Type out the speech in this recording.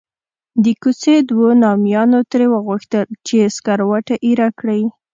د کوڅې دوو نامیانو ترې وغوښتل چې سکروټه ایره کړي.